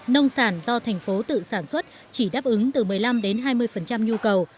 nông sản do thành phố tự sản xuất chỉ đáp ứng từ một mươi năm đến hai mươi nhu cầu